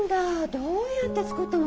どうやって作ったの？